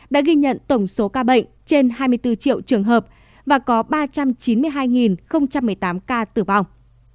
đã ghi nhận tổng số ca bệnh trên hai mươi bốn triệu trường hợp và có ba trăm chín mươi hai một mươi tám ca tử vong